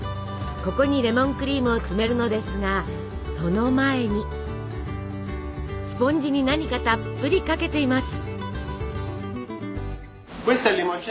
ここにレモンクリームを詰めるのですがその前にスポンジに何かたっぷりかけています。